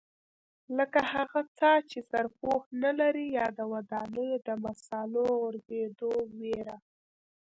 لکه هغه څاه چې سرپوښ نه لري یا د ودانیو د مسالو غورځېدو وېره.